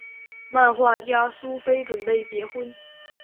漫画家苏菲准备结婚。